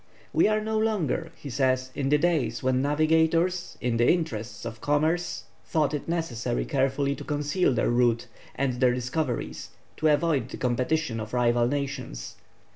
"We are no longer," he says, "in the days when navigators in the interests of commerce thought it necessary carefully to conceal their route and their discoveries, to avoid the competition of rival nations.